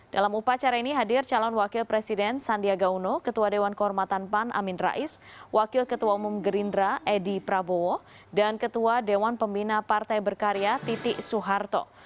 dalam upacara ini hadir calon wakil presiden sandiaga uno ketua dewan kehormatan pan amin rais wakil ketua umum gerindra edi prabowo dan ketua dewan pembina partai berkarya titik suharto